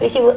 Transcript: beri si ibu